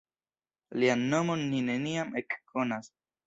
Lian nomon ni neniam ekkonas.